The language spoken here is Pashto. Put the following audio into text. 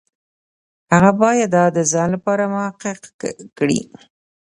هغه باید دا د ځان لپاره محقق کړي.